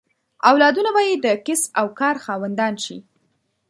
اولادونه به یې د کسب او کار خاوندان شي.